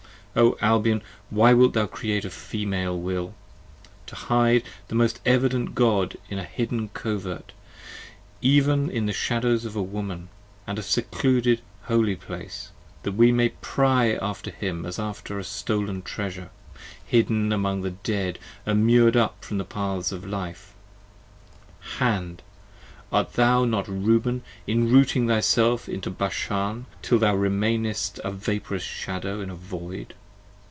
O Albion why wilt thou Create a Female Will? To hide the most evident God in a hidden covert, even In the shadows of a Woman, & a secluded Holy Place, That we may pry after him as after a stolen treasure, 35 Hidden among the Dead & mured up from the paths of life. Hand! art thou not Reuben enrooting thyself into Bashan, Till thou remainest a vaporous Shadow in a Void?